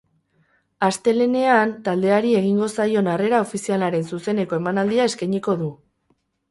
Astelehean taldeari egingo zaion harrera ofizialaren zuzeneko emanaldia eskainiko du.